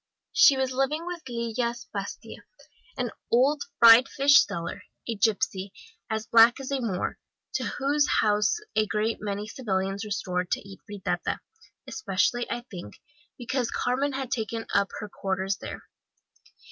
She was living with Lillas Pastia, an old fried fish seller, a gipsy, as black as a Moor, to whose house a great many civilians resorted to eat fritata, especially, I think, because Carmen had taken up her quarters there.